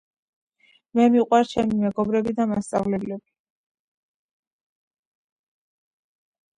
მე მიყვარს ჩემი მეგობრები და მასწავლებლები.